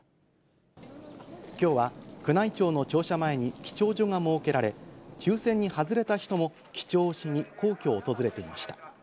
きょうは宮内庁の庁舎前に記帳所が設けられ、抽せんに外れた人も記帳しに皇居を訪れていました。